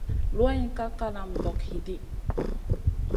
Luwayn ka kalama dog hidi.